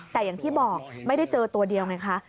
แต่อย่างที่บอกไม่ได้เจอตัวเดียวไงคะ